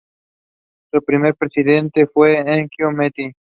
Su primer presidente fue Enrico Mattei.